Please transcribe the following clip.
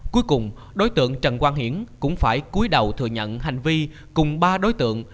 cuối cùng đối tượng trần quang hiển cũng phải cuối đầu thừa nhận hành vi cùng ba đối tượng